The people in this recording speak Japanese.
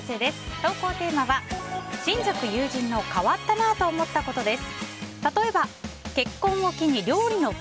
投稿テーマは親族・友人の変わったなぁと思ったことです。